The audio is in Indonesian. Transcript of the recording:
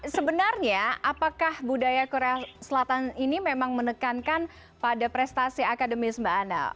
sebenarnya apakah budaya korea selatan ini memang menekankan pada prestasi akademis mbak ana